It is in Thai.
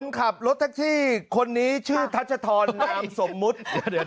ขับรถแท็กซี่คนนี้ชื่อทัชธรนามสมมุติ